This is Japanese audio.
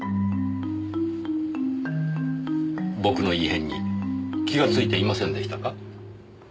僕の異変に気がついていませんでしたか？